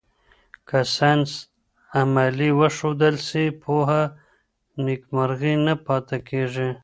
که ساینس عملي وښودل سي، پوهه نیمګړې نه پاته کېږي.